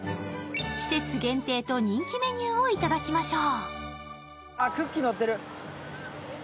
季節限定と人気メニューをいただきましょう。